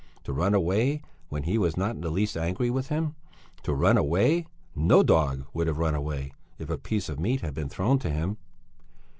To run away when he was not in the least angry with him! To run away! No dog would have run away if a piece of meat had been thrown to him!